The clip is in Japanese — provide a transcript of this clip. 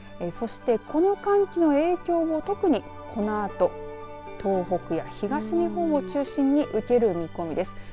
そして、この寒気の影響、特にこのあと、東北や東日本を中心に受ける見込みです。